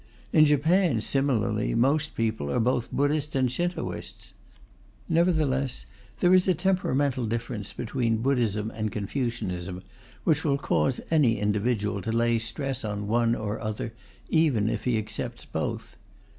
In Japan, similarly, most people are both Buddhists and Shintoists. Nevertheless there is a temperamental difference between Buddhism and Confucianism, which will cause any individual to lay stress on one or other even if he accepts both.